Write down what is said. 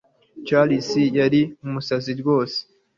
Chris yari umusazi rwose